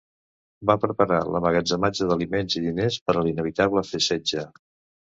Va preparar l'emmagatzematge d'aliments i diners per a l'inevitable setge.